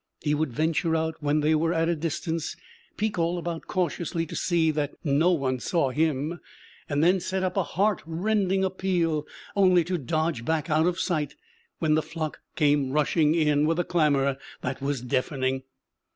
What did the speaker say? He would venture out when they were at a distance, peek all about cautiously to see that no one saw him, then set up a heart rending appeal, only to dodge back out of sight when the flock came rushing in with a clamor that was deafening.